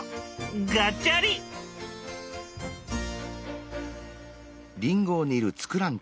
ガチャリ。